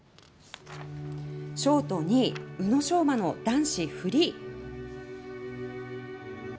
ショート２位宇野昌磨の男子フリー。